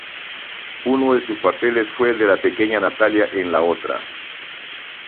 Uno de sus papeles fue el de la pequeña "Natalia" en "La otra".